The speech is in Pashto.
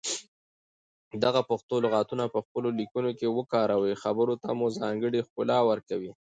دغه پښتو لغتونه په خپلو ليکنو کې وکاروئ خبرو ته مو ځانګړې ښکلا ورکوي.